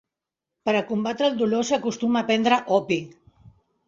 Per a combatre el dolor s'acostumà a prendre opi.